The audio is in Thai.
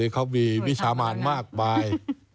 เขามีวิชามานมากมาย